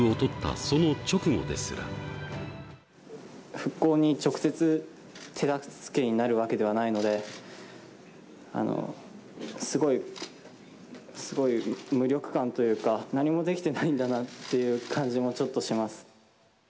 復興に直接手助けになるわけではないので、すごい、すごい無力感というか、何もできてないんだなっていう感じもちょっとします。